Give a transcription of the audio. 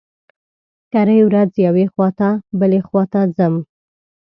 کرۍ ورځ يوې خوا ته بلې خوا ته ځلم.